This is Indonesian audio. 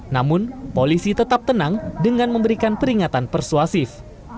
namun polisi tetap tenang dengan memberikan peringatan persuasif